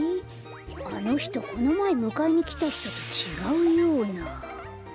あのひとこのまえむかえにきたひととちがうような。